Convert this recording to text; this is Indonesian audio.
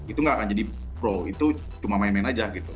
itu nggak akan jadi pro itu cuma main main aja gitu